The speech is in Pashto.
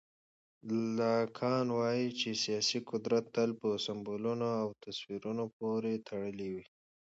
لاکان وایي چې سیاسي قدرت تل په سمبولونو او تصویرونو پورې تړلی وي.